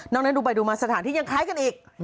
นั้นดูไปดูมาสถานที่ยังคล้ายกันอีก